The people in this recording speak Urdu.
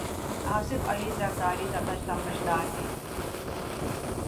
آصف علی زرداری زیادہ سمجھدار ہیں۔